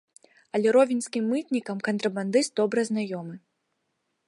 Але ровенскім мытнікам кантрабандыст добра знаёмы.